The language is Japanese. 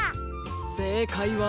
せいかいは。